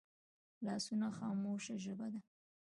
لاسونه خاموشه ژبه ده